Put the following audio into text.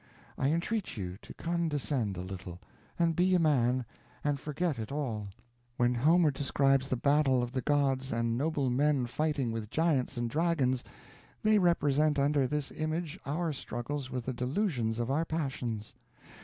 I entreat you to condescend a little, and be a man, and forget it all. When Homer describes the battle of the gods and noble men fighting with giants and dragons, they represent under this image our struggles with the delusions of our passions.